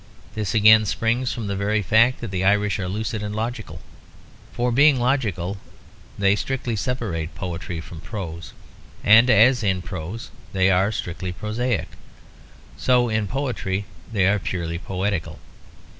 This again springs from the very fact that the Irish are lucid and logical. For being logical they strictly separate poetry from prose; and as in prose they are strictly prosaic, so in poetry they are purely poetical.